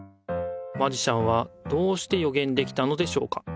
マジシャンはどうしてよげんできたのでしょうか。